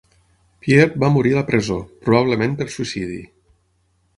Pier va morir a la presó, probablement per suïcidi.